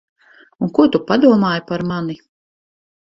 Un ko tu padomāji par mani?